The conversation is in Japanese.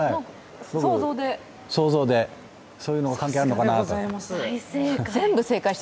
想像で、そういうのが関係あるのかなと思って。